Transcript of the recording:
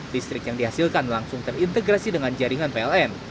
listrik yang dihasilkan langsung terintegrasi dengan jaringan pln